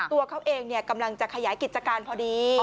ตัวเขาเองกำลังจะขยายกิจการพอดี